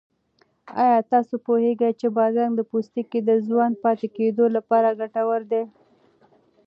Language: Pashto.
آیا تاسو پوهېږئ چې بادرنګ د پوستکي د ځوان پاتې کېدو لپاره ګټور دی؟